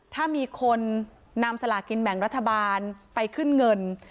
ถ้ามีคนนำสลากินแบ่งรัฐบาลไปขึ้นเงิน